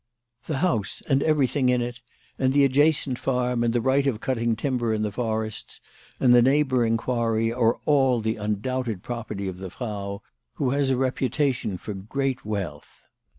The house and every thing in it, and the adjacent farm, and the right of cutting timber in the forests, and the neighbouring quarry, are all the undoubted property of the Frau, WHY FRAU FROHMANN RAISED HER PRICES. 5 who lias a reputation for great wealth.